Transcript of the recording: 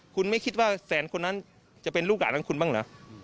คุณไม่คิดว่าแสนคนนั้นจะเป็นลูกหลานของคุณบ้างเหรอ